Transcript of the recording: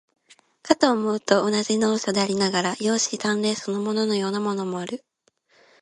かと思うと、同じ能書でありながら、容姿端麗そのもののようなものもある。